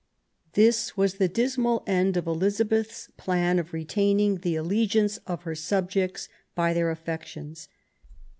This was the dismal end of Elizabeth's plan of retaining the allegiance of her subjects by their affections.